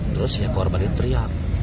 terus ya korban itu teriak